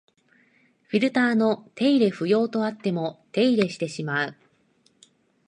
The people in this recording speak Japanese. フィルターの手入れ不要とあっても手入れしてしまう